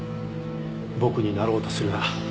僕になろうとするな。